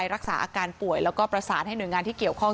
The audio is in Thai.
รักษาอาการป่วยแล้วก็ประสานให้หน่วยงานที่เกี่ยวข้อง